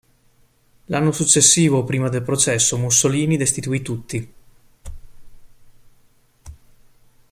L'anno successivo, prima del processo, Mussolini destituì tutti.